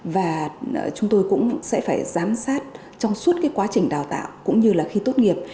và chúng tôi cũng sẽ phải giám sát trong suốt quá trình đào tạo cũng như khi tốt nghiệp